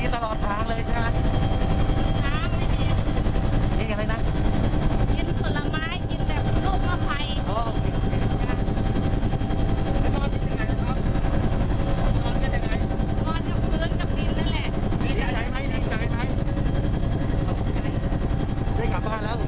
ทุกคนกินอย่างไรครับ